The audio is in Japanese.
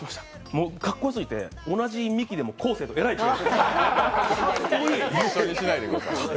かっこよすぎて、同じ「ミキ」でも昴生と偉い違って。